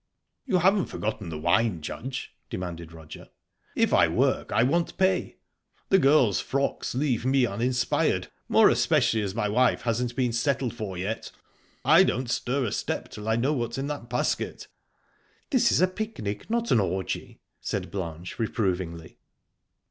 "You haven't forgotten the wine, Judge?" demanded Roger. "If I work, I want pay. The girls' frocks leave me uninspired, more especially as my wife's hasn't been settled for yet. I don't stir a step till I know what's in that basket." "This is a picnic, not an orgy," said Blanche reprovingly.